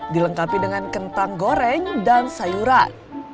dilengkapi dengan kentang goreng dan sayuran